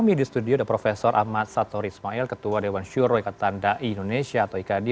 kami di studio ada prof ahmad satori ismail ketua dewan syuro ikatan dai indonesia atau ikd